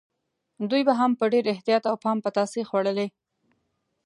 دوی به هم په ډېر احتیاط او پام پتاسې خوړلې.